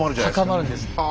高まるんです。